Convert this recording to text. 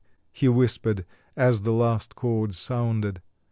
he whispered as the last chord sounded.